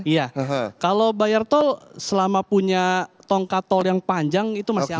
iya kalau bayar tol selama punya tongkat tol yang panjang itu masih aman